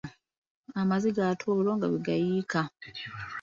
Amaziga ate olwo nga bwe gayiika.